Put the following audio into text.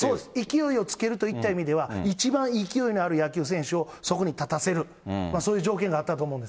勢いをつけるといった意味では、一番勢いのある野球選手をそこに立たせる、そういう条件があった